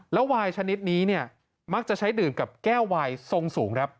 แล้ววายชนิดนี้เนี่ยมักจะใช้ดื่มกับแก้ววายทรงสูงครับ